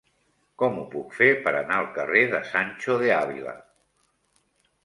Com ho puc fer per anar al carrer de Sancho de Ávila?